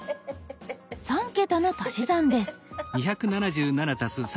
３桁の足し算です。